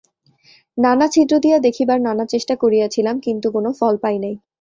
নানা ছিদ্র দিয়া দেখিবার নানা চেষ্টা করিয়াছিলাম কিন্তু কোনো ফল পাই নাই।